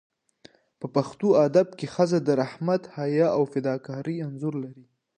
په پښتو ادب کې ښځه د رحمت، حیا او فداکارۍ انځور لري.